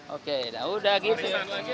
oke sudah gitu